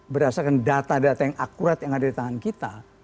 berdasarkan data data yang akurat yang ada di tangan kita